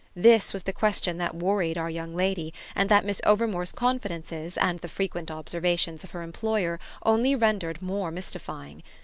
This was the question that worried our young lady and that Miss Overmore's confidences and the frequent observations of her employer only rendered more mystifying.